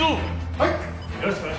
はい！